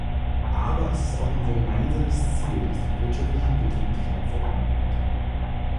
Aber es ist auch unser gemeinsames Ziel, dass die wirtschaftliche Entwicklung in China vorangeht.